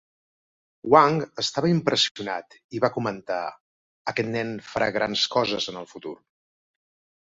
Wang estava impressionat i va comentar, aquest nen farà grans coses en el futur.